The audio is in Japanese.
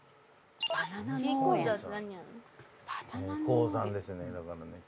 鉱山ですよねだからね